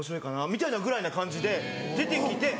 みたいなぐらいな感じで出てきて。